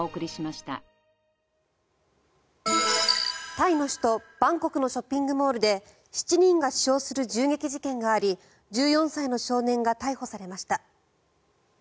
タイの首都バンコクのショッピングモールで７人が死傷する銃撃事件があり１４歳の少年が逮捕されました。